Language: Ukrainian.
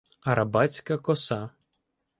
Арабатська коса